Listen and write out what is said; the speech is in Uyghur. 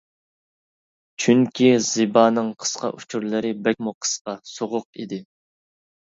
چۈنكى زىبانىڭ قىسقا ئۇچۇرلىرى بەكمۇ قىسقا، سوغۇق ئىدى.